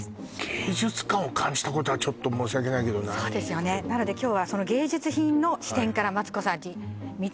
芸術感を感じたことはちょっと申し訳ないけどないそうですよねなので今日はその芸術品の視点からマツコさんに確かに